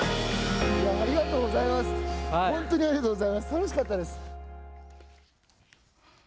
楽しかったです。